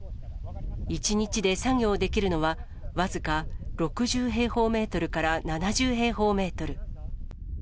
１日で作業できるのは、僅か６０平方メートルから７０平方メートル。